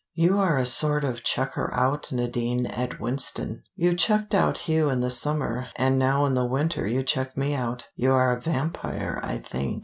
You are a sort of chucker out, Nadine, at Winston. You chucked out Hugh in the summer, and now in the winter you chuck me out. You are a vampire, I think.